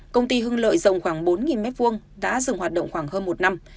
công ty hưng lợi rộng khoảng bốn m hai đã dừng hoạt động khoảng hơn một năm